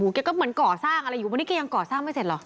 แกก็เหมือนก่อสร้างอะไรอยู่วันนี้แกยังก่อสร้างไม่เสร็จเหรอ